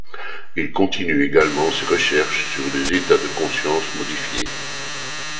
Il continue également ses recherches sur les états de consciences modifiés.